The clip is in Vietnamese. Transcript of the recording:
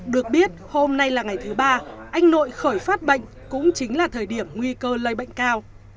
được biết hôm nay là ngày thứ ba anh nội khởi phát bệnh cũng chính là thời điểm nguy cơ lây bệnh cao